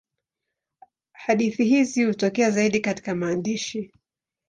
Hadithi hizi hutokea zaidi katika maandishi.